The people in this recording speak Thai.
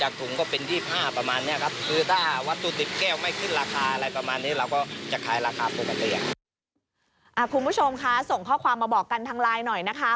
คุณผู้ชมคะส่งข้อความมาบอกกันทางไลน์หน่อยนะคะ